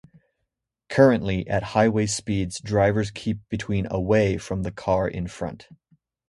Currently, at highway speeds drivers keep between away from the car in front.